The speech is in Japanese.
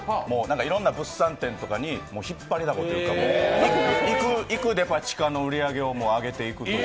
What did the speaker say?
いろんな物産展とかに引っ張りだこというか行くデパ地下の売り上げを上げていく。